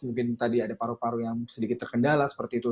mungkin tadi ada paru paru yang sedikit terkendala seperti itu